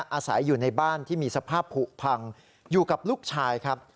อาศัยอยู่ในบ้านที่มีสภาพผูกพังอยู่กับลูกชายครับ